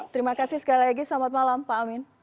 terima kasih sekali lagi selamat malam pak amin